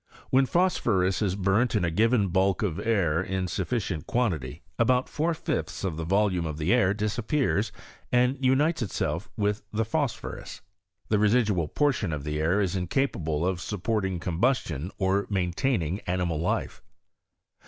When phos phorus is burnt in a given bulk of air in suffictent quantity, about four fifths of the volume of the w disappears and unites itself with the pbospborus. The residual portion of the air is incapable of sup porting combustion or maintaining animal life.